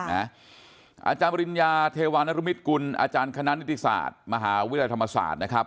อาจารย์ปริญญาเทวานรุมิตกุลอาจารย์คณะนิติศาสตร์มหาวิทยาลัยธรรมศาสตร์นะครับ